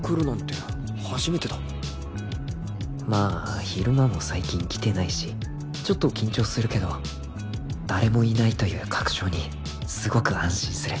まあ昼間も最近来てないしちょっと緊張するけど誰もいないという確証にすごく安心する